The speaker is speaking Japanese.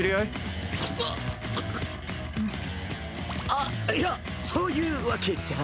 あっいやそういうわけじゃ。